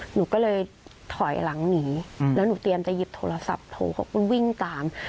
หนูก็เลยถอยหลังหนีแล้วหนูเตรียมจะหยิบโทรศัพท์โทรเขาก็วิ่งตาม